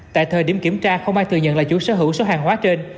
tại thời điểm kiểm tra không ai thừa nhận là chú sở hữu số hàng hóa trên